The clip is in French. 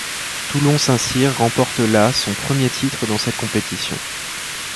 Toulon St-Cyr remporte là son premier titre dans cette compétition.